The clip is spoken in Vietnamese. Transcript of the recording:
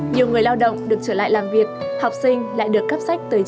nhiều người lao động được trở lại làm việc học sinh lại được cấp sách tới trường